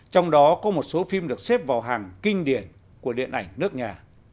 trong đó có một số phim được xếp vào hàng kinh điển của điện ảnh nước nhà